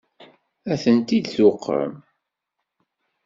Ad tent-id-tuqem?